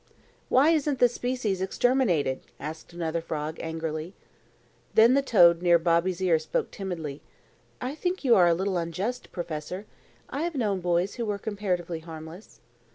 "Why isn't the species exterminated?" asked another frog angrily. Then the toad near Bobby's ear spoke timidly: "I think you are a little unjust, Professor. I have known boys who were comparatively harmless."